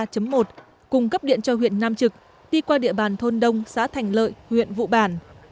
cùng cấp điện cho huyện nam trực đi qua địa bàn thôn đông xã thành lợi huyện vụ bản